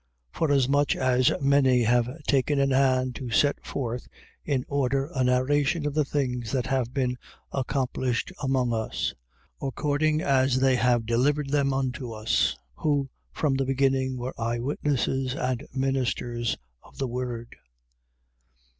1:1. Forasmuch as many have taken in hand to set forth in order a narration of the things that have been accomplished among us, 1:2. According as they have delivered them unto us, who from the beginning were eyewitnesses and ministers of the word: 1:3.